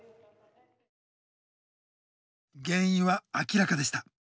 原因は明らかでした。